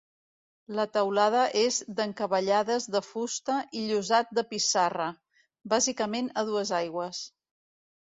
La teulada és d'encavallades de fusta i llosat de pissarra, bàsicament a dues aigües.